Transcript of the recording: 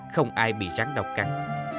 không ai bị rắn đau cắn